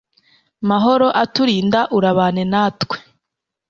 mahoro aturinda, urabane natwe